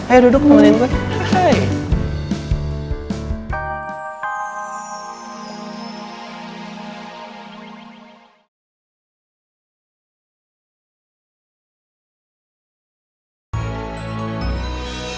ayo duduk kemari